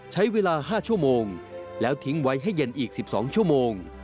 ใช้เวลา๕ชั่วโมงแล้วทิ้งไว้ให้เย็นอีก๑๒ชั่วโมง